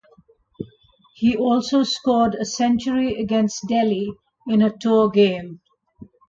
He also scored a century against Delhi in a tour game.